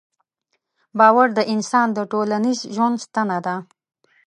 باور د انسان د ټولنیز ژوند ستنه ده.